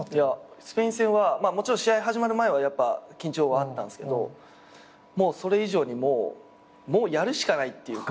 スペイン戦はもちろん試合始まる前はやっぱ緊張はあったんすけどそれ以上にもうやるしかないっていうか。